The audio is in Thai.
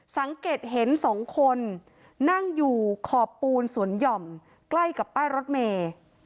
สังเกตเห็นสองคนนั่งอยู่ขอบปูนสวนหย่อมใกล้กับป้ายรถเมย์